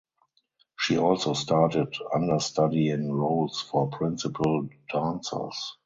She also started understudying roles for principal dancers.